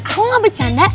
aku nggak bercanda